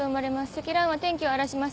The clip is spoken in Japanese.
積乱雲は天気を荒らします